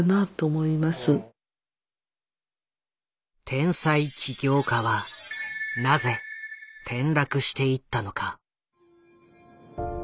天才起業家はなぜ転落していったのか。